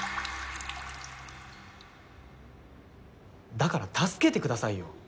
だから助けてくださいよ。